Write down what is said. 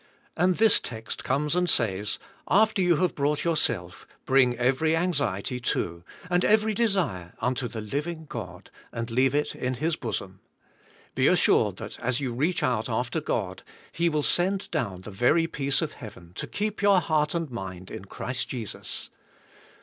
And this text comes and says, After you have brought yourself, bring every anxiety, too, and every desire unto the living God, and leave it in His bosom. Be assured that as you reach out after God, He will send down the very 242 THE SPIRITUAL LIFE. peace of heaven to keep your heart and mind in Christ Jesus.